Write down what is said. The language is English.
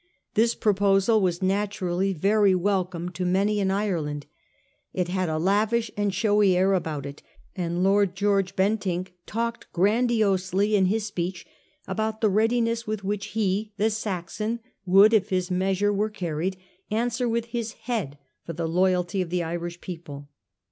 This proposal was naturally very welcome to many in Ireland. It had a lavish and showy air about it ; and Lord George Bentinck talked grandiosely in his speech about the readiness with which he, the Saxon, would, if his measure were carried, answer with his head for the loyalty of the Irish people.